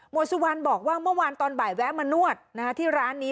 สุวรรณบอกว่าเมื่อวานตอนบ่ายแวะมานวดที่ร้านนี้